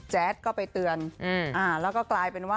แจ้ชก็ไปเตือนที่กลายเป็น